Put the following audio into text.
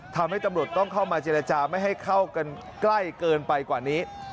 ตำรวจต้องเข้ามาเจรจาไม่ให้เข้ากันใกล้เกินไปกว่านี้